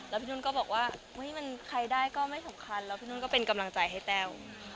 แล้วพี่นุ่นก็บอกว่ามันใครได้ก็ไม่สำคัญแล้วพี่นุ่นก็เป็นกำลังใจให้แต้ว